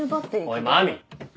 おい麻美！